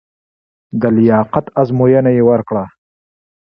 د لیاقت ازموینه یې ورکړه.